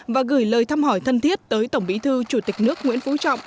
và gửi lời thăm hỏi thân thiết tới tổng bí thư chủ tịch nước nguyễn phú trọng